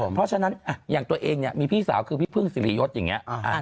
เพราะฉะนั้นอย่างตัวเองเนี่ยมีพี่สาวคือพี่พึ่งศิริยศอย่างนี้